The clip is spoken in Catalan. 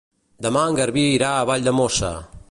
Demà en Garbí irà a Valldemossa.